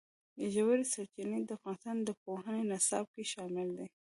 ژورې سرچینې د افغانستان د پوهنې نصاب کې شامل دي.